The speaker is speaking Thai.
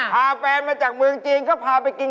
พาแฟนมาจากเมืองจีนก็พาไปกินขนมจีนสิ